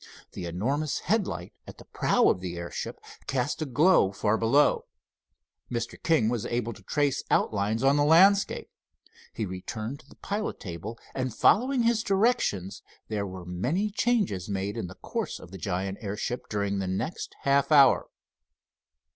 The enormous headlight at the prow of the airship cast a glow far below. Mr. King was able to trace outlines on the landscape. He returned to the pilot table, and following his directions there were many changes made in the course of the giant airship during the next half hour.